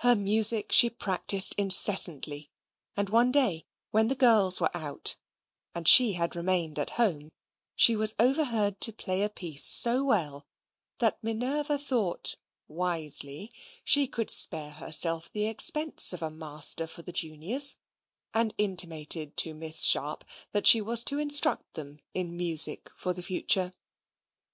Her music she practised incessantly, and one day, when the girls were out, and she had remained at home, she was overheard to play a piece so well that Minerva thought, wisely, she could spare herself the expense of a master for the juniors, and intimated to Miss Sharp that she was to instruct them in music for the future.